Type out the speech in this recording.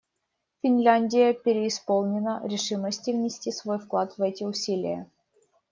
Финляндия преисполнена решимости внести свой вклад в эти усилия.